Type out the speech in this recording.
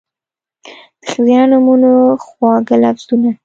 د ښځېنه نومونو، خواږه لفظونه